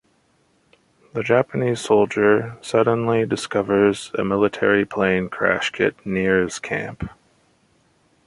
The Japanese soldier suddenly discovers a military plane crash kit near his camp.